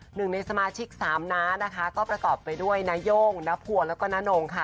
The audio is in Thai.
หนึ่งในสมาชิกสามน้านะคะก็ประกอบไปด้วยนาย่งนภัวแล้วก็น้านงค่ะ